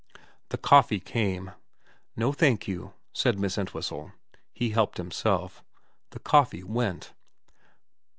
The coffee came. ' No thank you,' said Miss Entwhistle. He helped himself. The coffee went.